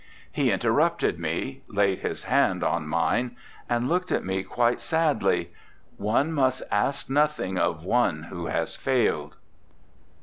He interrupted me, laid his hand on mine, and looked at me quite sadly: "One must ask nothing of one who has failed."